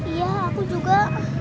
iya aku juga